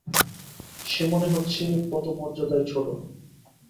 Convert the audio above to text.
সে মনে হচ্ছে পদমর্যাদায় ছোট।